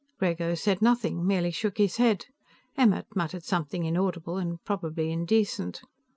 Grego said nothing, merely shook his head. Emmert muttered something inaudible and probably indecent.